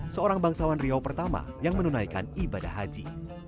seorang bangsawan riau pertama yang menunaikan ibadah haji